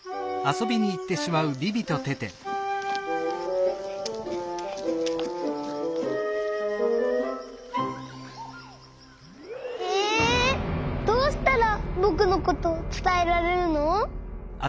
どうしたらぼくのことつたえられるの？